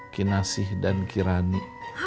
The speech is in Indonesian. kinasyih dan kirani